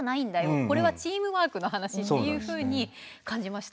これはチームワークの話っていうふうに感じました。